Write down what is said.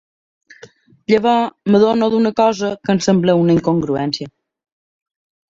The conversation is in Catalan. Llavors m'adono d'una cosa que em sembla una incongruència.